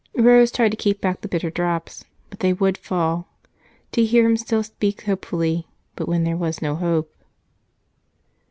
Rose tried to keep back the bitter drops, but they would fall, to hear him still speak hopefully when there was no hope.